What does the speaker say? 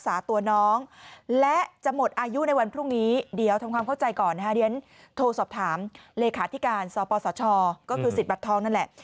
อย่างนั้นโทรสอบถามเลขาธิการสปสชก็คือสิทธิ์บัตรทองนั่นแหละ